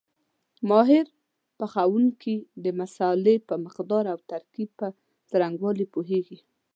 ماهر پخوونکي د مسالې په مقدار او ترکیب په څرنګوالي پوهېږي.